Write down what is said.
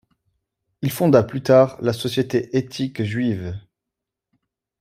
Il fonda plus tard la société éthique juive.